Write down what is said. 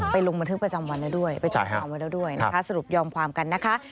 ลงบันทึกประจำวันแล้วด้วยไปแจ้งความไว้แล้วด้วยนะคะสรุปยอมความกันนะคะ